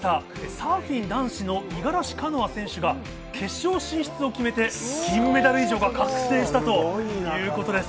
サーフィン男子の五十嵐カノア選手が決勝進出を決めて銀メダル以上が確定したということです。